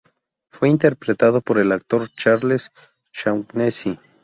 Fue interpretado por el actor Charles Shaughnessy.